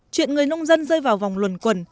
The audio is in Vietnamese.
chuyện người nông dân rơi vào vòng luồn quần